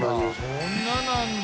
そんななんだ。